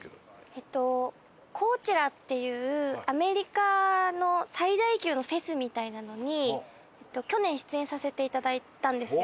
えっとコーチェラっていうアメリカの最大級のフェスみたいなのに去年出演させていただいたんですよ。